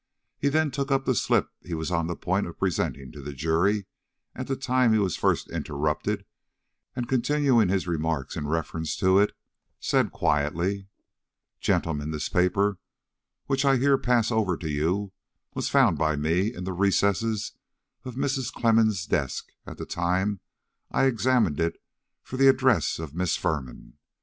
He then took up the slip he was on the point of presenting to the jury at the time he was first interrupted, and continuing his remarks in reference to it, said quietly: "Gentlemen, this paper which I here pass over to you, was found by me in the recess of Mrs. Clemmens' desk at the time I examined it for the address of Miss Firman.